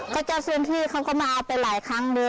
ก็เจ้าพื้นที่เขาก็มาเอาไปหลายครั้งเลย